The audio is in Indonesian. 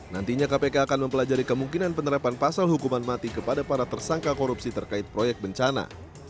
nantinya kpk akan mempelajari kemungkinan penerapan pasal hukuman mati kepada para tersangka korupsi terkait proyek bencana